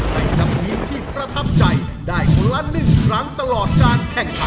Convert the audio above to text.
ในกับทีมที่ประทับใจได้หมดล้านหนึ่งครั้งตลอดการแข่งขัน